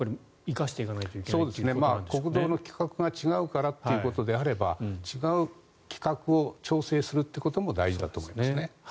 国道の規格が違うからということであれば違う規格を調整するということも大事だと思います。